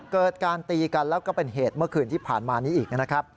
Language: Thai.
เกิดการตีกันแล้วก็เป็นเหตุเมื่อคืนที่ผ่านมานี้อีกนะครับ